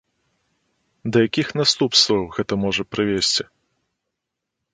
Да якіх наступстваў гэта можа прывесці?